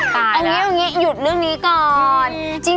เอาอย่างนี้หยุดเรื่องนี้ก่อน